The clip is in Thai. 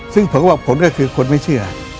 ซึ่งผมก็ว่าผลก็คือคนไม่เชื่อ